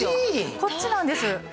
こっちなんです。